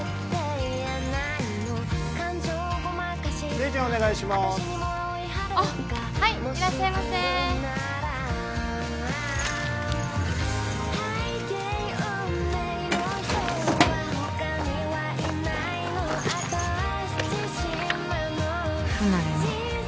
レジお願いしまーすあっはいいらっしゃいませ「不慣れな」